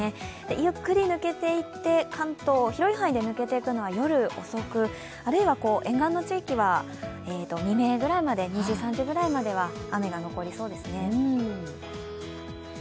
ゆっくり抜けていって関東広い範囲で抜けていくのは夜遅く、あるいは沿岸の地域は未明ぐらいまで、２時、３時ぐらいまでは雨が残りそうですね。